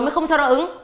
mới không cho nó ứng